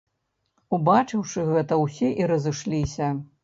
Убачыўшы гэта, усе і разышліся.